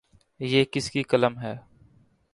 یہ کس کی قلم ہے ؟